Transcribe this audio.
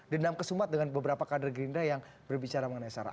dendam kesumat dengan beberapa kader gerindra yang berbicara mengenai sarah